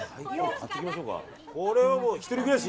買っていきましょうか。